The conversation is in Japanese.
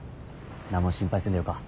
何も心配せんでよか。